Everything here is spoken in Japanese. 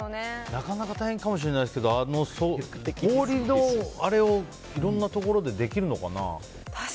なかなか大変かもしれないですけど氷のあれをいろんなところでできるのかな。